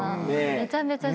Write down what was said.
めちゃめちゃ心配。